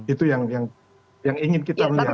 itu yang ingin kita lihat